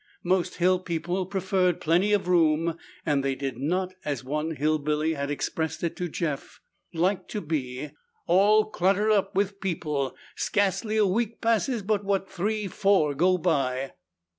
Most hill people preferred plenty of room and they did not, as one hillbilly had expressed it to Jeff, like to be "All cluttered up with people. Skassly a week passes but what three, four go by."